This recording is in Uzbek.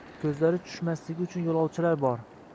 Ko’zlari tushmasligi uchun yo’lovchilar bor.